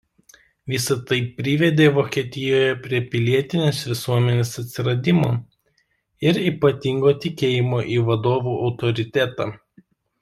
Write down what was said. Visa tai privedė Vokietijoje prie pilietinės visuomenės atsiradimo ir ypatingo tikėjimo į vadovų autoritetą.